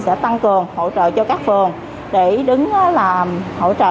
sẽ tăng cường hỗ trợ cho các phường để đứng là hỗ trợ